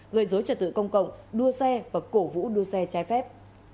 gây dối trật tự công cộng đua xe và cổ vũ đua xe trái phép